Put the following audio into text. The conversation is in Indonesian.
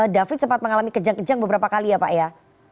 david sempat mengalami kejang kejang beberapa kali ya pak ya